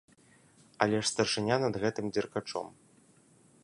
Але ж, старшыня над гэтым дзеркачом.